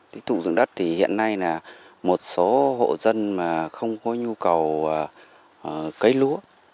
tích tụ dụng đất thì hiện nay là một số hộ dân mà không có nhu cầu cấy lúa